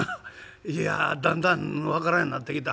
いやだんだん分からんようになってきた。